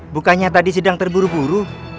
bukannya tadi sedang terburu buru